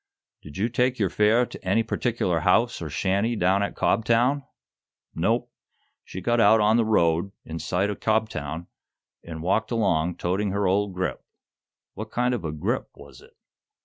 "Did you take your fare to any particular house or shanty down at Cobtown?" "Nope; she got out on the road, in sight o' Cobtown, an' walked along, toting her old grip." "What kind of a 'grip' was it?"